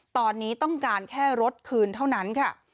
ตอนนี้ต้องการแค่รถคืนเท่านั้นค่ะ